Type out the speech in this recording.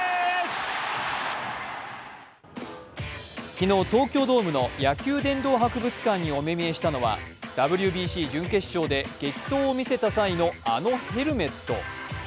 昨日、東京ドームの野球殿堂博物館にお目見えしたのはＷＢＣ準決勝で激走を見せた際のあのヘルメット。